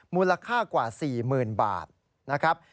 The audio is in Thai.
มูลค่ากว่า๔๐๐๐บาทนะครับ